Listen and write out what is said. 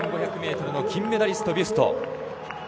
１５００ｍの金メダリストビュスト。